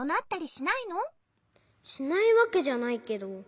しないわけじゃないけど。